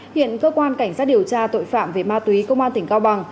hiện cơ quan cảnh sát điều tra tội phạm về ma túy công an tỉnh cao bằng